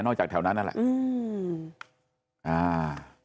จากแถวนั้นนั่นแหละอืมอ่า